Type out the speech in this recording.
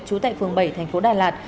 trú tại phường bảy thành phố đà lạt